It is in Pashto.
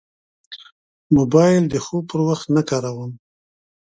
موبایل د خوب پر وخت نه کاروم.